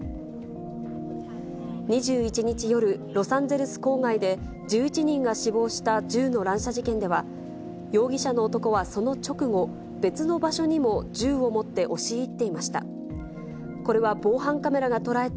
２１日夜、ロサンゼルス郊外で１１人が死亡した銃の乱射事件では、容疑者の男はその直後、別の場所にも銃を持って押し入っていました。